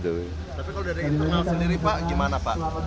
tapi kalau dari internal sendiri pak gimana pak